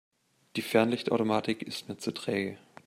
Die Fernlichtautomatik ist mir zu träge.